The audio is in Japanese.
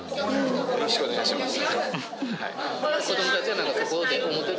よろしくお願いします。